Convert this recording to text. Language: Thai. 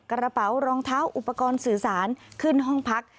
กระเป๋ารองเท้าอุปกรณ์สื่อสารขึ้นห้องพัก